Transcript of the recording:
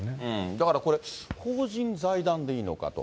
だからこれ、法人、財団でいいのかと。